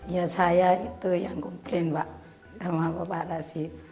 ya saya itu yang komplain pak sama bapak rashid